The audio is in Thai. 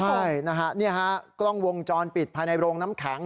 ใช่นะฮะนี่ฮะกล้องวงจรปิดภายในโรงน้ำแข็ง